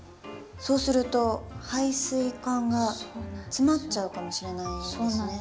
そうすると配水管が詰まっちゃうかもしれないですね。